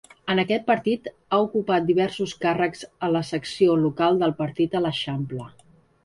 En aquest partit ha ocupat diversos càrrecs a la secció local del partit a l'Eixample.